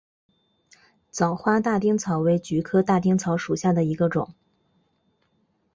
早花大丁草为菊科大丁草属下的一个种。